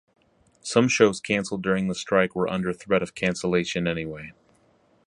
Some shows cancelled during the strike were under threat of cancellation anyway.